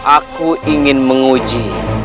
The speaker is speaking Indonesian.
aku ingin menguji